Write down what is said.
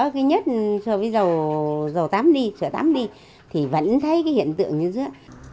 cái nhất rồi bây giờ dầu tắm đi sửa tắm đi thì vẫn thấy cái hiện tượng như thế